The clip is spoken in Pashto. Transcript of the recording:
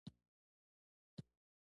محمد عارف یوه صادق انسان دی